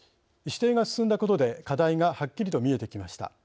指定が進んだことで課題がはっきりと見えてきました。